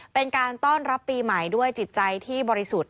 เป็นการต้อนรับปีใหม่ด้วยจิตใจที่บริสุทธิ์